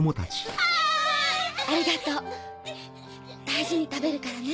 ありがとう大事に食べるからね。